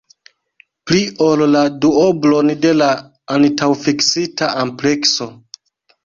Pli ol la duoblon de la antaŭfiksita amplekso!